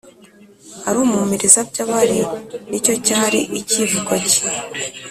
Arumumiriza by’abari nicyo cyari ikivugo cye